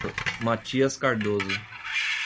Matias Cardoso